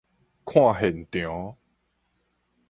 看現場